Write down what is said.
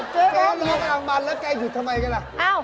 เจ๊ร้องอ่างบันแล้วใกล้หยุดทำไมกันล่ะ